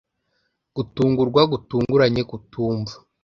Gutungurwa gutunguranye kutumva